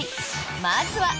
まずは。